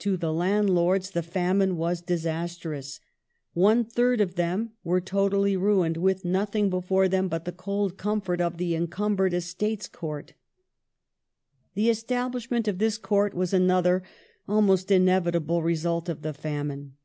To the landlords the famine was disastrous. One third of them were totally ruined, with nothing before them but the cold comfort of the Encumbered Estates Court. The En The establishment of this Court was another — almost inevitable ETa^er"* —result of the famine.